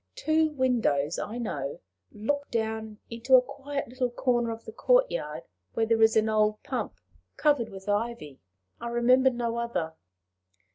Two windows, I know, look down into a quiet little corner of the courtyard, where there is an old pump covered with ivy. I remember no other."